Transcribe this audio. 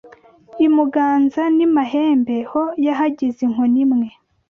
I Muganza n’i Mahembe, ho yahagize inkoni imwe